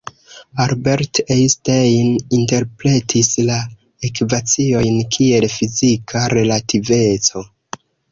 Albert Einstein interpretis la ekvaciojn kiel fizika relativeco.